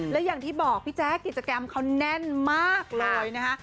และอย่างที่บอกพี่แจ๊คกิจกรรมเขาแน่นมากเลยนะคะ